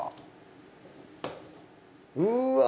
うわ！